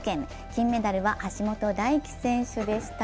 金メダルは橋本大輝選手でした。